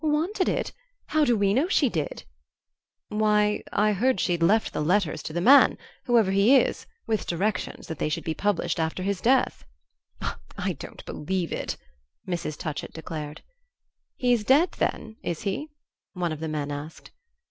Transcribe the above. "Wanted it? How do we know she did?" "Why, I heard she'd left the letters to the man whoever he is with directions that they should be published after his death " "I don't believe it," Mrs. Touchett declared. "He's dead then, is he?" one of the men asked.